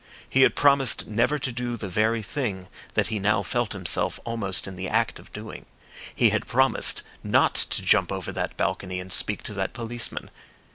He had promised never to do the very thing that he now felt himself almost in the act of doing. He had promised not to jump over that balcony and speak to that policeman.